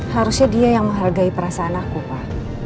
harusnya dia yang menghargai perasaan aku pak